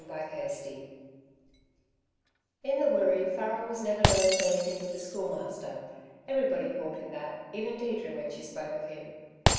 CHAPTER XXI In the Wirree, Farrel was never known as anything but the Schoolmaster. Everybody called him that even Deirdre when she spoke of him.